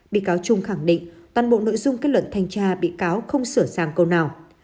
bị cáo trung khẳng định toàn bộ nội dung kết luận thanh tra bị cáo không sửa sàng câu nào